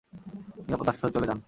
নিরাপদ আশ্রয়ে চলে যান!